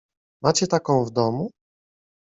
"Macie taką w domu?"